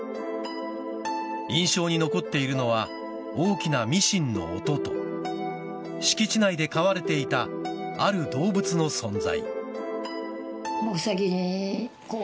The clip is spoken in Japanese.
印象に残っているのは大きなミシンの音と敷地内で飼われていたある動物の存在。